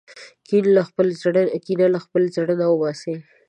کین له خپل زړه څخه وباسم.